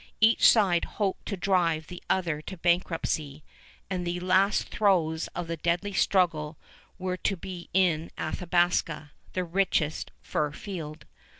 Each side hoped to drive the other to bankruptcy; and the last throes of the deadly struggle were to be in Athabasca, the richest fur field.